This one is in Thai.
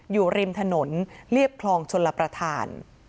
อยู่ริมถนนเรียบคลองชลประธาน